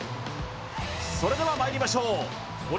それではまいりましょう鳥